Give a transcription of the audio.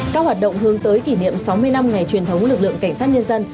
các hoạt động hướng tới kỷ niệm sáu mươi năm ngày truyền thống lực lượng cảnh sát nhân dân